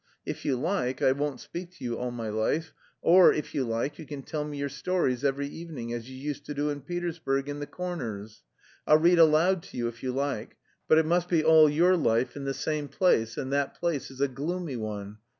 If you like, I won't speak to you all my life, or if you like, you can tell me your stories every evening as you used to do in Petersburg in the corners. I'll read aloud to you if you like. But it must be all your life in the same place, and that place is a gloomy one.